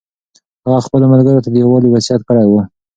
هغه خپلو ملګرو ته د یووالي وصیت کړی و.